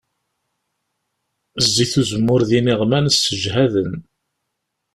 Zzit uzemmur d iniɣman sseǧhaden.